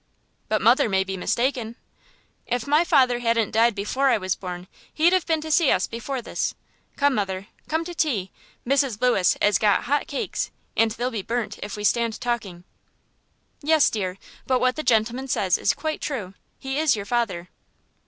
"But mother may be mistaken." "If my father hadn't died before I was born he'd 've been to see us before this. Come, mother, come to tea. Mrs. Lewis 'as got hot cakes, and they'll be burnt if we stand talking." "Yes, dear, but what the gentleman says is quite true; he is your father."